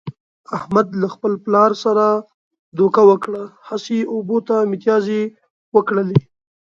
احمد له خپل پلار سره دوکه وکړه، هسې یې اوبو ته متیازې و کړلې.